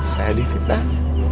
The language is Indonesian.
saya di fitnah